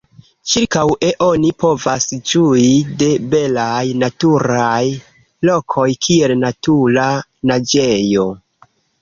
Ĉirkaŭe oni povas ĝui de belaj naturaj lokoj, kiel natura naĝejo.